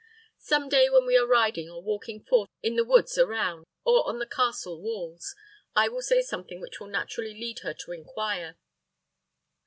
Some day when we are riding or walking forth in the woods around, or on the castle walls, I will say something which will naturally lead her to inquire.